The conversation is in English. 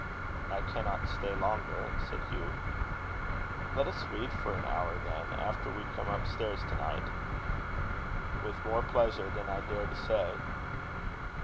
"I cannot stay longer," said Hugh. "Let us read for an hour, then, after we come up stairs to night." "With more pleasure than I dare to say."